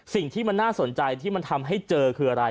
สิ่งที่มันน่าสนใจที่มันทำให้เจอคืออะไร